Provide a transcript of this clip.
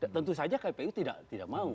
tentu saja kpu tidak mau